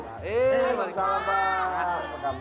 hai eh masalah pak